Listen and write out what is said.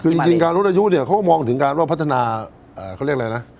คือจริงการลดอายุเนี่ยเขาก็มองถึงการว่าพัฒนาเขาเรียกอะไรนะ